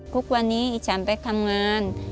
ทุกวันนี้ฉันไปทำงาน